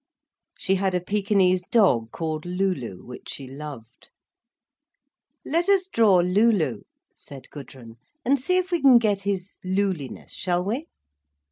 She had a pekinese dog called Looloo, which she loved. "Let us draw Looloo," said Gudrun, "and see if we can get his Looliness, shall we?"